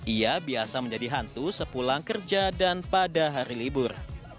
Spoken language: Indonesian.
ia biasa menjadi hantu sepulang kerja dan pada hari libur